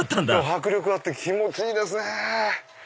迫力あって気持ちいいですね。